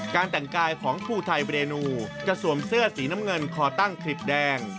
แต่งกายของภูไทยเรนูจะสวมเสื้อสีน้ำเงินคอตั้งคลิปแดง